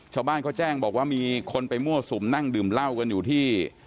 ชาวบ้านเขาแจ้งบอกว่ามีคนไปมั่วสุมนั่งดื่มเหล้ากันอยู่ที่